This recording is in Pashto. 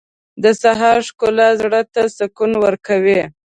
• د سهار ښکلا زړه ته سکون ورکوي.